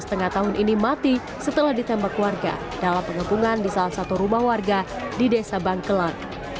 setengah tahun ini mati setelah ditembak warga dalam pengepungan di salah satu rumah warga di desa bangkelan